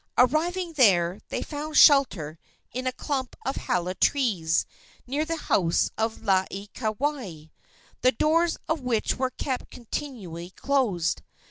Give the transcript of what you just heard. Arriving there, they found shelter in a clump of hala trees near the house of Laieikawai, the doors of which were kept continually closed.